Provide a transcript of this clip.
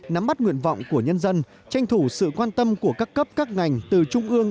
nắm bắt nguyện vọng của nhân dân tranh thủ sự quan tâm của các cấp các ngành từ trung ương